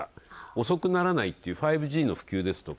遅くならないっていう５Ｇの普及ですとか